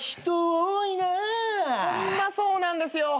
ホンマそうなんですよ。